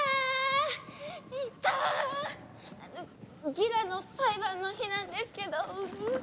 ギラの裁判の日なんですけど。